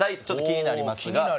ちょっと気になりますが。